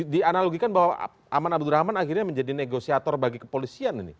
dianalogikan bahwa aman abdurrahman akhirnya menjadi negosiator bagi kepolisian ini